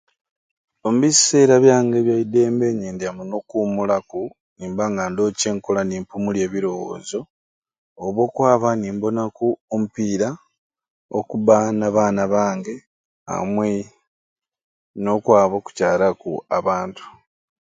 Omubiseera byange ebyaidembe nyendya muno okuumulaku nimba nga ndoowo kyenkukola ni mpumulya ebirowoozo oba okwaba ni mbonaku omupiira okubba n'abaana bange amwe n'okwaba okucaaraku abantu.